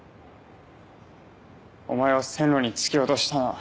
お前を線路に突き落としたのは。